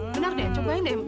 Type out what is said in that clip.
benar deh cobain deh